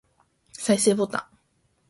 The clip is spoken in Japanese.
再生ボタン